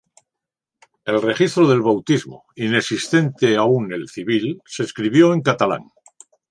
El registro del bautismo, inexistente aún el civil, se escribió en catalán.